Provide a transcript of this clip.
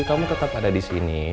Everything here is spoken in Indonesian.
kamu tetap ada di sini